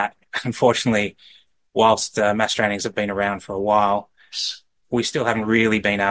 kita tidak tahu saya harus mengatakan ini semasa perang masyarakat sudah berada selama sementara